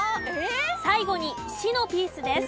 最後に市のピースです。